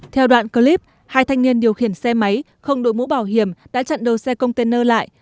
theo đoạn clip hai thanh niên điều khiển xe máy không đội mũ bảo hiểm đã chặn đầu xe container lại